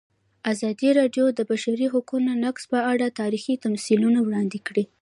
ازادي راډیو د د بشري حقونو نقض په اړه تاریخي تمثیلونه وړاندې کړي.